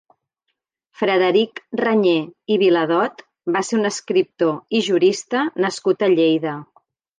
Frederic Renyé i Viladot va ser un escriptor i jurista nascut a Lleida.